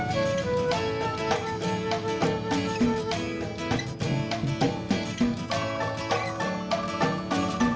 kerja di sini